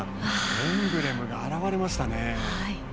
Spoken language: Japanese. エンブレムが現れましたね！